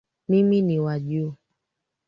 Mimi ni wa juu.